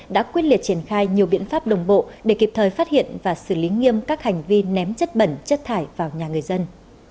đã quyết liệt triển khai nhiều biện pháp đồng bộ để kịp thời phát hiện và xử lý nghiêm các hành vi ném chất bẩn chất thải vào nhà người dân